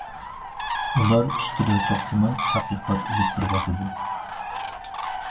ئۇلار ئۈستىدە توختىماي تەتقىقات ئېلىپ بېرىۋاتىدۇ.